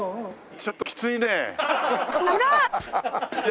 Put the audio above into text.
ちょっときついねえ。